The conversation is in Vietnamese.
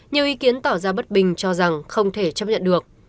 nhiều ý kiến tỏ ra bất bình cho rằng không thể chấp nhận được